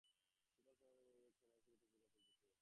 সকল সন্ন্যসীর মধ্যে এই এক সন্ন্যাসীরই তো পূজা চলিতেছে।